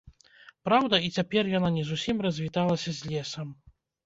Праўда, і цяпер яна не зусім развіталася з лесам.